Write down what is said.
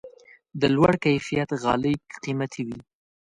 د لوړ کیفیت غالۍ قیمتي وي.